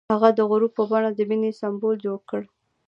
هغه د غروب په بڼه د مینې سمبول جوړ کړ.